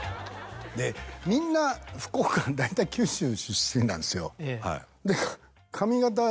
でみんな福岡の大体九州出身なんすよ。